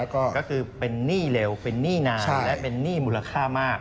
ก็คือเป็นหนี้เร็วเป็นหนี้นานและเป็นหนี้มูลค่ามาก